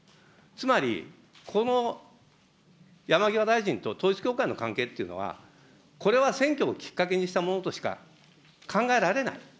つまり、この山際大臣と統一教会の関係っていうのは、これは選挙をきっかけにしたものとしか考えられない。